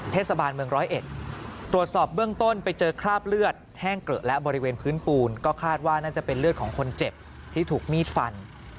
เทศบาลเมืองร้อยเอ็ดตรวจสอบเบื้องต้นไปเจอคราบเลือดแห้งเกลอะและบริเวณพื้นปูนก็คาดว่าน่าจะเป็นเลือดของคนเจ็บที่ถูกมีดฟัน